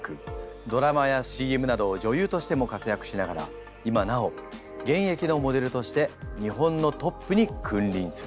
ドラマやＣＭなど女優としても活躍しながら今なお現役のモデルとして日本のトップに君臨する。